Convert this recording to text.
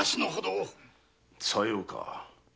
さようか。